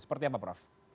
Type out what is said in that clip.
seperti apa prof